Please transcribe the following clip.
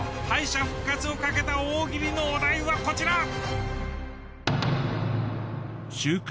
敗者復活を懸けた大喜利のお題はこちら。